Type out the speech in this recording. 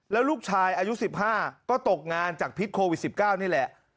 แล้วลูกชายอายุ๑๕ก็ตกงานจากพิษโควิด๑๙นี่แหละ